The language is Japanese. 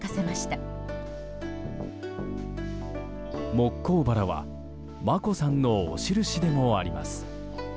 モッコウバラは眞子さんのお印でもあります。